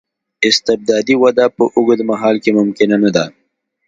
استبدادي وده په اوږد مهال کې ممکنه نه ده.